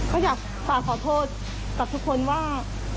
ก็อยากฝากขอโทษกับทุกคนว่า